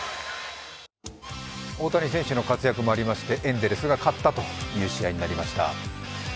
大谷選手の活躍もありまして、エンゼルスが勝ったという試合になりました。